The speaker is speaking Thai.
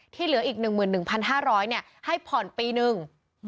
เหลืออีก๑๑๕๐๐ให้ผ่อนปีหนึ่ง